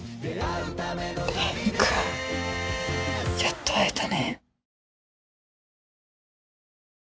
蓮くんやっと会えたね。